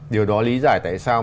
điều đó lý giải tại sao